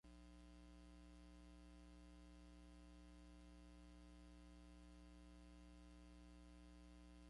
This is, ironically, the real youth club for the children of Byker.